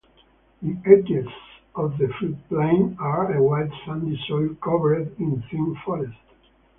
The edges of the floodplain are a white sandy soil covered in thin forest.